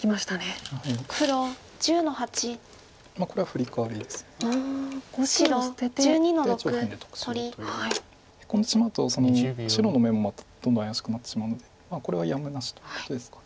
ヘコんでしまうと白の眼もまたどんどん怪しくなってしまうのでこれはやむなしということですか。